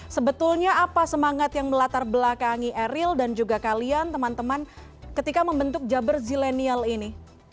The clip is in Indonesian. sebetulnya apa semangat yang melatar belakangi eril dan juga kalian teman teman ketika membentuk jabar zilenial ini